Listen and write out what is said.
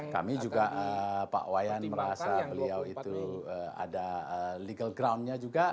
kami juga pak wayan merasa beliau itu ada legal groundnya juga